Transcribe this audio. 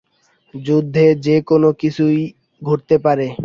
যুদ্ধে যে কোনো কিছু ঘটতে পারে।